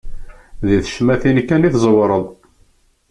Di tecmatin kan i teẓwer.